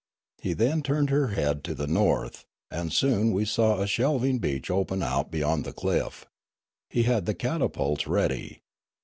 He then turned her head to the north, and soon we saw a shelving beach open out beyond the cliff. He had the catapults ready.